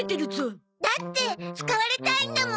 だって使われたいんだもん。